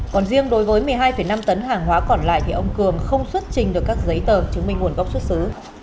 còn riêng đối với một mươi hai năm tấn hàng hóa còn lại thì ông cường không xuất trình được các giấy tờ chứng minh nguồn gốc xuất xứ